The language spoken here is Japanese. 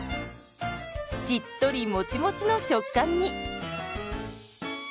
しっとりモチモチの食感に！